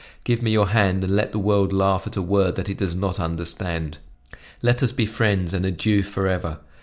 Give me your hand and let the world laugh at a word that it does not understand: Let us be friends; and adieu forever.